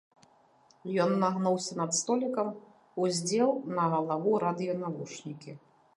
Ён нагнуўся над столікам, уздзеў на галаву радыёнавушнікі.